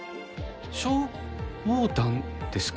消防団ですか？